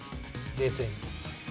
冷静に。